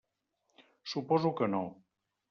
Suposo que no.